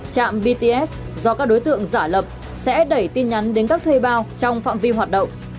trạm bts do các đối tượng giả lập sẽ đẩy tin nhắn đến các thuê bao trong phạm vi hoạt động